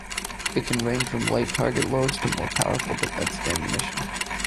It can range from light target loads to more powerful defensive ammunition.